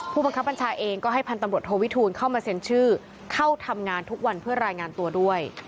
บังคับบัญชาเองก็ให้พันธุ์ตำรวจโทวิทูลเข้ามาเซ็นชื่อเข้าทำงานทุกวันเพื่อรายงานตัวด้วย